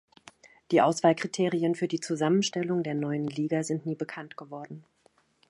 Die Auswahlkriterien für die Zusammenstellung der neuen Liga sind nie bekannt geworden.